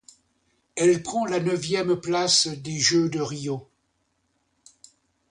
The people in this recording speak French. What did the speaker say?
Elle prend la neuvième place des Jeux de Rio.